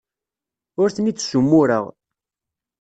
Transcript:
Ur ten-id-ssumureɣ.